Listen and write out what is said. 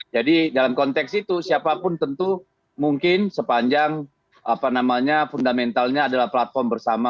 jadi dalam konteks itu siapapun tentu mungkin sepanjang fundamentalnya adalah platform bersama